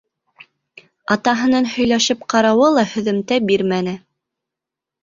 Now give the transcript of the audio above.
Атаһының һөйләшеп ҡарауы ла һөҙөмтә бирмәне.